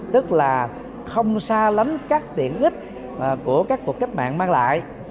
tức là không xa lắm các tiện ích của các cuộc cách mạng mang lại